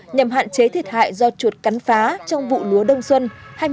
nhằm hạn chế thiệt hại do chuột cắn phá trong vụ lúa đông xuân hai nghìn một mươi sáu hai nghìn một mươi bảy